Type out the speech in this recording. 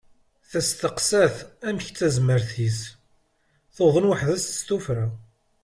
Testeqsa-t amek i d tazmert-is, tuḍen weḥdes s tuffra.